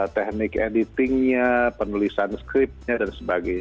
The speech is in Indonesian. teknik editingnya penulisan scriptnya dan sebagainya